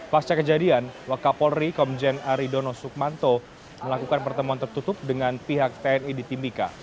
pasca kejadian wakapolri komjen aridono sukmanto melakukan pertemuan tertutup dengan pihak tni di timika